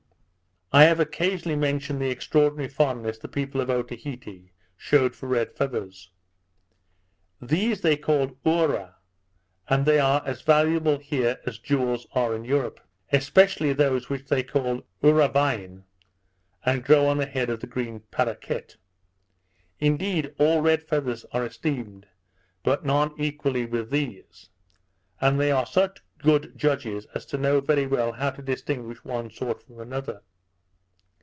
I have occasionally mentioned the extraordinary fondness the people of Otaheite shewed for red feathers. These they call Oora, and they are as valuable here as jewels are in Europe, especially those which they call Ooravine, and grow on the head of the green paraquet: Indeed, all red feathers are esteemed, but none equally with these; and they are such good judges as to know very well how to distinguish one sort from another.